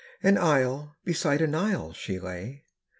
An isle beside an isle she lay.